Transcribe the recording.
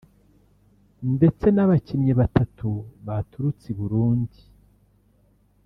ndetse n’abakinnyi batatu baturutse i Burundi